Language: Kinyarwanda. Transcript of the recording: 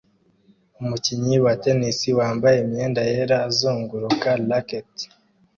Umukinnyi wa tennis wambaye imyenda yera azunguruka racket